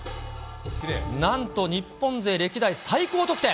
なんと日本勢歴代最高得点。